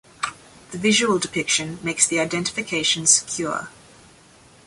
The visual depiction makes the identification secure.